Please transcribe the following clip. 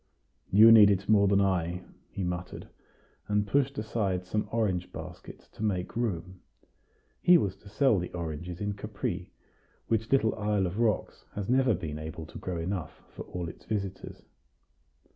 "You need it more than I," he muttered, and pushed aside some orange baskets to make room: he was to sell the oranges in Capri, which little isle of rocks has never been able to grow enough for all its visitors.